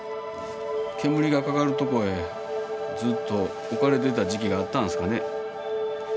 煙がかかるとこへずっと置かれてた時期があったんですかね。